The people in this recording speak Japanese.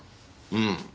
うん。